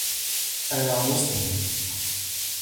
أنا مسلم